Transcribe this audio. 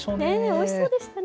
おいしそうでしたね。